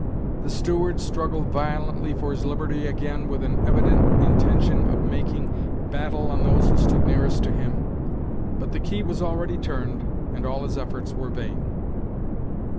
The steward struggled violently for his liberty again, with an evident intention of making battle on those who stood nearest to him; but the key was already turned, and all his efforts were vain.